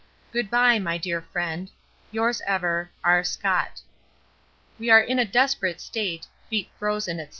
Goodbye, my dear friend, Yours ever, R. SCOTT. We are in a desperate state, feet frozen, &c.